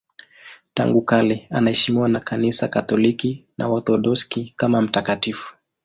Tangu kale anaheshimiwa na Kanisa Katoliki na Waorthodoksi kama mtakatifu.